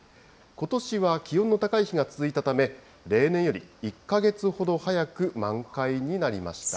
ことしは気温の高い日が続いたため、例年より１か月ほど早く満開になりました。